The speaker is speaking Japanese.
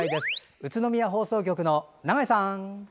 宇都宮放送局の長井さん！